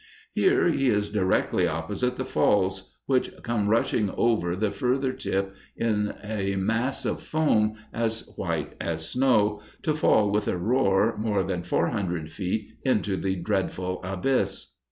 Here he is directly opposite the Falls, which come rushing over the further tip in a mass of foam as white as snow, to fall with a roar more than four hundred feet into the dreadful abyss.